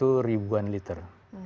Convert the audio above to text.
ukurannya itu ribuan liter